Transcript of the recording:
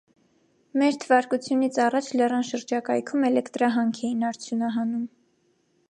Մեր թվարկությունիցառաջ լեռան շրջակայքում էլեկտրահանք էին արդյունահանում։